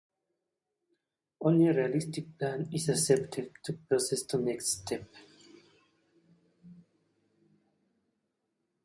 Only realistic plan is accepted to process the next step.